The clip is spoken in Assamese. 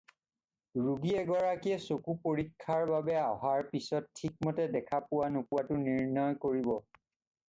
ৰোগী এগৰাকীয়ে চকু পৰীক্ষাৰ বাবে অহাৰ পিছত ঠিকমতে দেখা পোৱা নোপোৱাটো নিৰ্ণয় কৰিব।